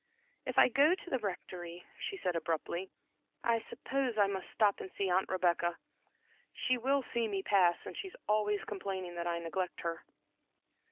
"If I go to the Rectory," she said abruptly, "I suppose I must stop to see Aunt Rebecca. She will see me pass, and she is always complaining that I neglect her."